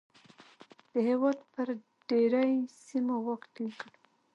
د هېواد پر ډېری سیمو واک ټینګ کړ.